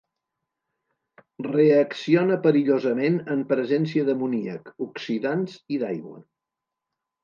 Reacciona perillosament en presència d'amoníac, oxidants i d'aigua.